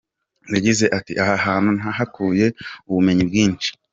Yagize ati “Aha hantu nahakuye ubumenyi bwinshi.